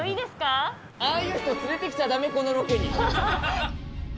あいう人、連れてきちゃだめ、このロケに。